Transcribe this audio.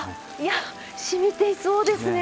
やっしみていそうですね。